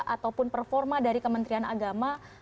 ataupun performa dari kementerian agama